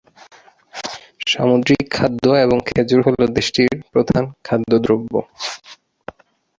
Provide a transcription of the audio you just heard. সামুদ্রিক খাদ্য এবং খেজুর হলো দেশটির প্রধান খাদ্য দ্রব্য।